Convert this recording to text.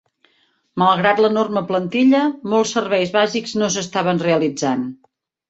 Malgrat l'enorme plantilla, molts serveis bàsics no s'estaven realitzant.